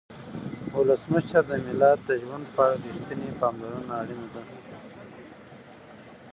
ولسمشره د ملت د ژوند په اړه رښتینې پاملرنه اړینه ده.